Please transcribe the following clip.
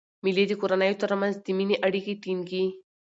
مېلې د کورنیو تر منځ د میني اړیکي ټینګي.